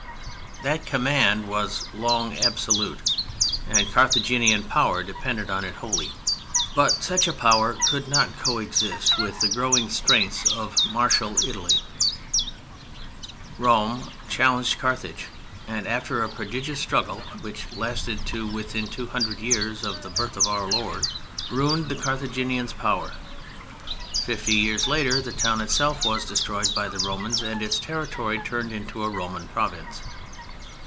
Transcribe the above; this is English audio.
That command was long absolute and Carthaginian power depended on it wholly. But such a power could not co exist with the growing strength of martial Italy. Rome challenged Carthage; and after a prodigious struggle, which lasted to within two hundred years of the birth of Our Lord, ruined the Carthaginian power. Fifty years later the town itself was destroyed by the Romans, and its territory turned into a Roman province.